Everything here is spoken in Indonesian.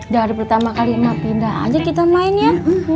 dari pertama kali mah pindah aja kita main ya